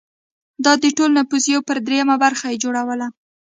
دا د ټول نفوس یو پر درېیمه برخه یې جوړوله